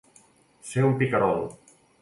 Ser un picarol.